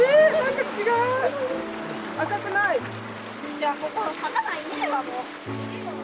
いやここ魚いねえわもう。